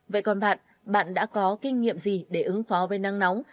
vậy còn bạn bạn đã có kinh nghiệm gì để ứng phó với nắng nóng